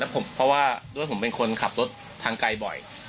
เพราะว่าด้วยผมเป็นคนขับรถทางไกลบ่อย